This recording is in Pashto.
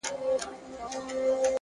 د فکر پاکوالی د پرېکړې کیفیت لوړوي’